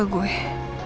kalau al sembuh